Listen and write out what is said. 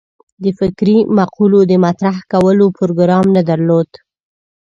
د فکري مقولو د مطرح کولو پروګرام نه درلود.